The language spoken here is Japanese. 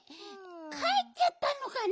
かえっちゃったのかな？